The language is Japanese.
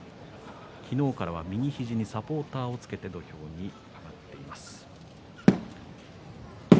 昨日から右肘にサポーターをつけて土俵に上がっています。